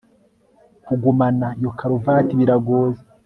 Kugumana iyo karuvati biragoye